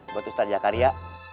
buat ustadz jakaria